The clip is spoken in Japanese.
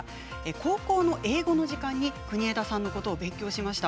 高校の英語の時間に国枝さんのことを勉強しました。